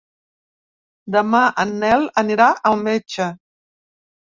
Demà en Nel anirà al metge.